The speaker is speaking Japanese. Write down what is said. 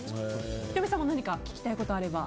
仁美さんも何か聞きたいことあれば。